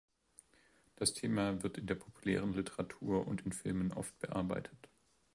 Das Thema wird in der populären Literatur und in Filmen oft bearbeitet.